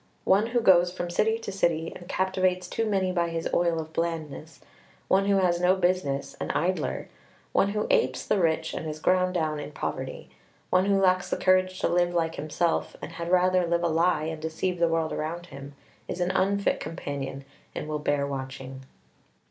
One who goes from city to city and captivates too many by his oil of blandness; one who has no business, an idler; one who apes the rich and is ground down in poverty; one who lacks the courage to live like himself and had rather live a lie and deceive the world around him, is an unfit companion, and will bear watching.